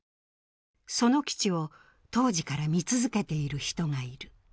その基地を当時から見続けている人がいる。